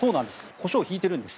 コショウをひいているんです。